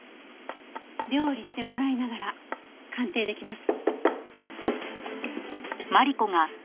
料理してもらいながら鑑定できます。